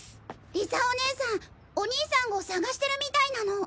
理沙お姉さんお兄さんを捜してるみたいなの。